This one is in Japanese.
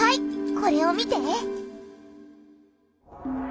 これを見て！